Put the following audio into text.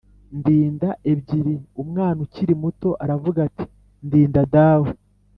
"ndinda" ebyiri. umwana ukiri muto aravuga ati:"ndinda dawe."